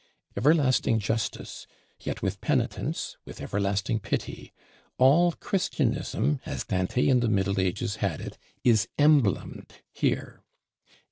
Everlasting Justice, yet with Penitence, with everlasting Pity, all Christianism, as Dante and the Middle Ages had it, is emblemed here.